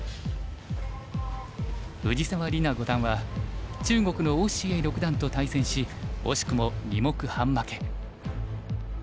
藤沢里菜五段は中国の於之瑩六段と対戦し惜しくも２目半負け。